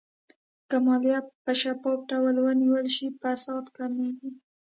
که مالیه په شفاف ډول ونیول شي، فساد کمېږي.